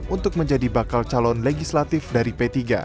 untuk menjadi bakal calon legislatif dari p tiga